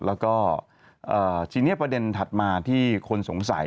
แล้วก็ทีนี้ประเด็นถัดมาที่คนสงสัย